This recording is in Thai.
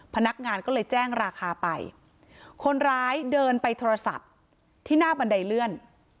พนักงานก็เลยแจ้งราคาไปคนร้ายเดินไปโทรศัพท์ที่หน้าบันไดเลื่อน